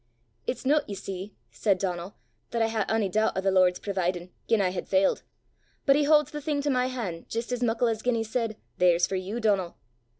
"It's no, ye see," said Donal, "that I hae ony doobt o' the Lord providin' gien I had failt, but he hauds the thing to my han', jist as muckle as gien he said, 'There's for you, Donal!